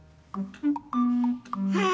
はあ！